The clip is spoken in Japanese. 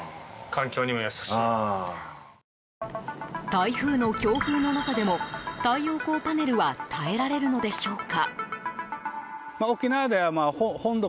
台風の強風の中でも太陽光パネルは耐えられるのでしょうか。